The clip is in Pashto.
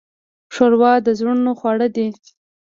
ښوروا د زړونو خواړه دي.